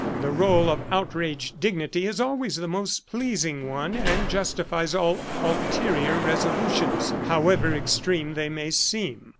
The role of outraged dignity is always the most pleasing one and justifies all ulterior resolutions, however extreme they may seem.